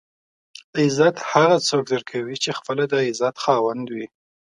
عزت هغه څوک درکوي چې خپله د عزت خاوند وي.